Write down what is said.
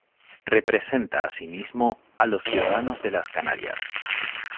Representa, asimismo, a los ciudadanos de las Canarias.